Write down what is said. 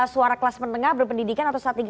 suara kelas menengah berpendidikan atau strategi